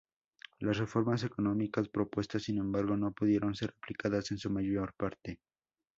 Las reformas económicas propuestas, sin embargo, no pudieron ser aplicadas en su mayor parte.